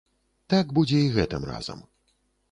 Так будзе і гэтым разам.